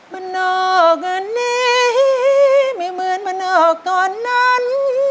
บรรนอกวันนี้ไม่เหมือนบรรนอกก่อนนั้น